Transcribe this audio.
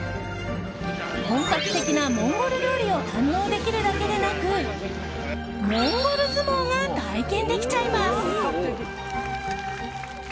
本格的なモンゴル料理を堪能できるだけでなくモンゴル相撲が体験できちゃいます。